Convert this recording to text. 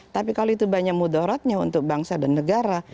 tapi kalau itu banyak mudaratnya untuk bangsa dan negara